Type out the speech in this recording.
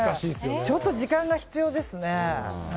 ちょっと時間が必要ですね。